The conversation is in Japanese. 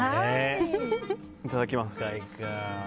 いただきます。